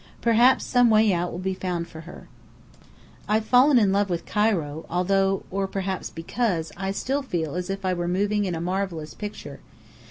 Perhaps some way out will be found for her. I've fallen in love with Cairo, although or perhaps because I still feel as if I were moving in a marvellous picture.